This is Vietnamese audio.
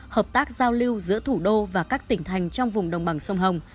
hợp tác giao lưu giữa thủ đô và các tỉnh thành trong vùng đồng bằng sông hồng